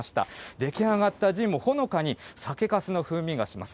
出来上がったジンも、ほのかに酒かすの風味がします。